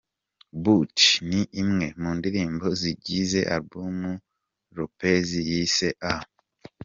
Booty’ ni imwe mu ndirimbo zigize album Lopez yise A.